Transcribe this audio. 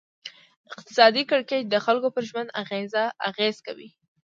اقتصادي کړکېچ د خلکو پر ژوند اغېز کوي.